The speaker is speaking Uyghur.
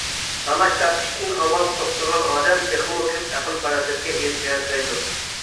تالاش-تارتىشتىن ئاۋۋال توختىغان ئادەم، تېخىمۇ كۆپ ئەقىل-پاراسەتكە ئېرىشەلەيدۇ.